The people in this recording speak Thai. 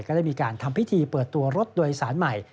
ก็ได้มีการทำพิธีเปิดตัวรถโดยสารใหม่